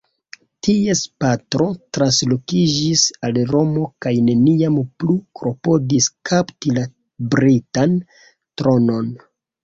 Ties patro translokiĝis al Romo kaj neniam plu klopodis kapti la britan tronon.